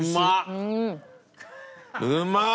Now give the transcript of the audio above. うまい！